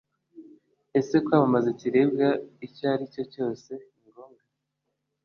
ese kwamamaza ikiribwa icyo ari cyo cyose ni ngombwa?